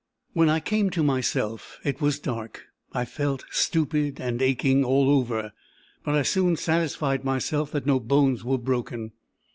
When I came to myself, it was dark. I felt stupid and aching all over; but I soon satisfied myself that no bones were broken.